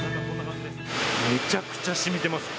めちゃくちゃ染みてます。